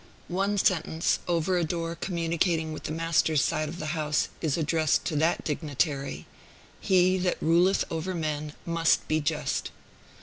One sentence, over a door communicating with the Master's side of the house, is addressed to that dignitary, "He that ruleth over men must be just."